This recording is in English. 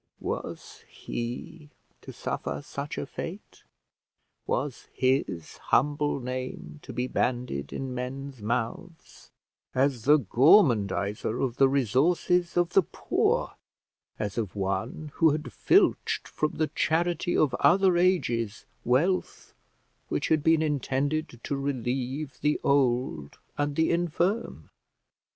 Was he to suffer such a fate? Was his humble name to be bandied in men's mouths, as the gormandiser of the resources of the poor, as of one who had filched from the charity of other ages wealth which had been intended to relieve the old and the infirm?